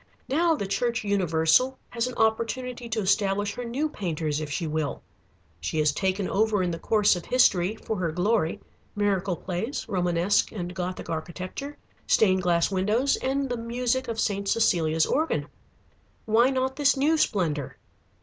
Now the Church Universal has an opportunity to establish her new painters if she will. She has taken over in the course of history, for her glory, miracle plays, Romanesque and Gothic architecture, stained glass windows, and the music of St. Cecilia's organ. Why not this new splendor?